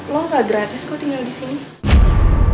lo gak gratis kok tinggal di rumah lo